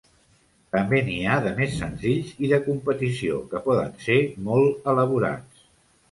També n'hi ha de més senzills i de competició, que poden ser molt elaborats.